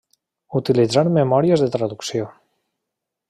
Utilitzar memòries de traducció.